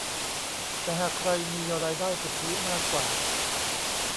แต่หากใครมีรายได้สุทธิมากกว่า